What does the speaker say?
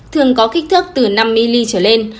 thường có kích thước từ năm mm trở lên